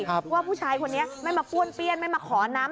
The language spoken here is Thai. ว่าผู้ชายคนนี้ไม่มาป้วนเปี้ยนไม่มาขอน้ำ